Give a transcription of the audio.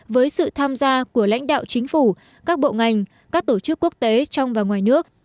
với sự tham gia của lãnh đạo chính phủ các bộ ngành các tổ chức quốc tế trong và ngoài nước